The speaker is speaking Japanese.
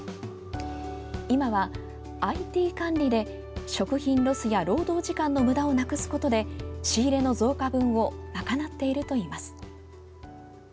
今は、ＩＴ管理で食品ロスや労働時間のむだをなくすことで仕入れの増加分を賄っているといいます。